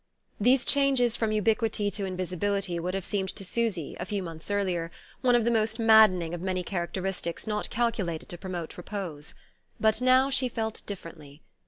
These changes from ubiquity to invisibility would have seemed to Susy, a few months earlier, one of the most maddening of many characteristics not calculated to promote repose. But now she felt differently.